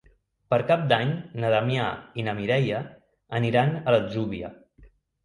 Per Cap d'Any na Damià i na Mireia aniran a l'Atzúbia.